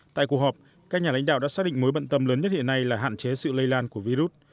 tại cuộc họp các nhà lãnh đạo đã xác định mối bận tâm lớn nhất hiện nay là hạn chế sự lây lan của virus